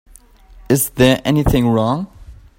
Is there anything wrong?